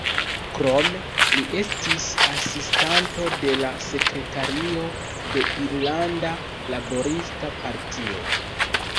Krome li estis asistanto de la sekretario de Irlanda Laborista Partio.